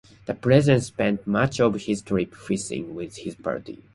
The president spent much of his trip fishing with his party.